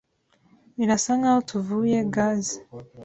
Birasa nkaho tuvuye gaze.